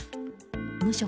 無職・